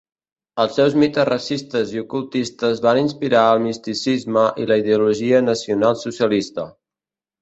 Els seus mites racistes i ocultistes van inspirar el misticisme i la ideologia nacionalsocialista.